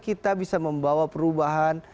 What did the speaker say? kita bisa membawa perubahan